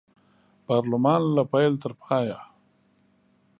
پارلمان له پیل تر پایه